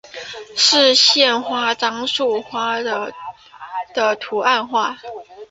是县花樟树花的图案化。